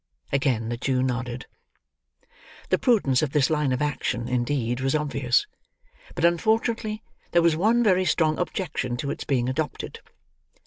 Again the Jew nodded. The prudence of this line of action, indeed, was obvious; but, unfortunately, there was one very strong objection to its being adopted.